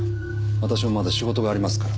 私もまだ仕事がありますから。